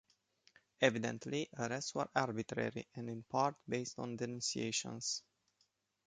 Evidently, arrests were arbitrary and in part based on denunciations.